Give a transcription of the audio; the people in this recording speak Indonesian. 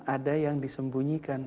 ada yang disembunyikan